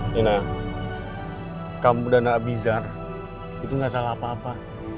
nina kamu dan abizar itu gak salah apa apa